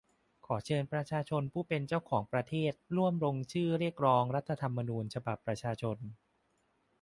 ขอเชิญประชาชนผู้เป็นเจ้าของประเทศร่วมลงชื่อเรียกร้อง รัฐธรรมนูญฉบับประชาชน